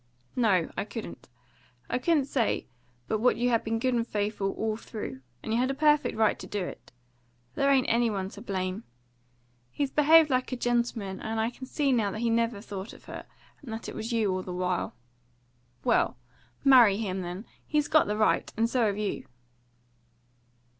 "No, I couldn't. I couldn't say but what you had been good and faithfull all through, and you had a perfect right to do it. There ain't any one to blame. He's behaved like a gentleman, and I can see now that he never thought of her, and that it was you all the while. Well, marry him, then! He's got the right, and so have you."